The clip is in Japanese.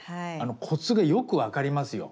コツがよく分かりますよ